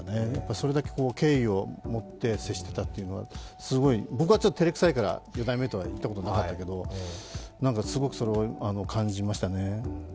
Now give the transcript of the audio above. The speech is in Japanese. それだけ経緯を持って接していたというのはすごい、僕はちょっと照れくさいから四代目とは言ったことなかったけど、すごくそれを感じましたね。